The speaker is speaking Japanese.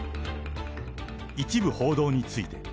一部報道について。